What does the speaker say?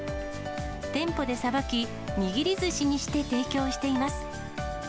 店舗でさばき、握りずしにして提供しています。